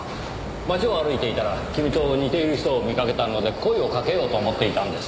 街を歩いていたら君と似ている人を見かけたので声をかけようと思っていたんです。